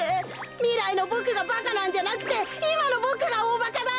みらいのボクがばかなんじゃなくていまのボクがおおばかだ！